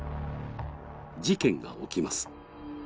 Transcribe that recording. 事件が起きます。